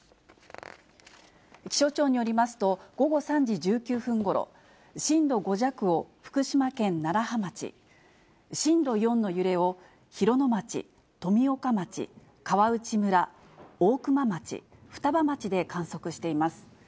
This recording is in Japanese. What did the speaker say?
気象庁によりますと、午後３時１９分ごろ、震度５弱を福島県楢葉町、震度４の揺れをひろの町、富岡町、川内村、大熊町、双葉町で観測しています。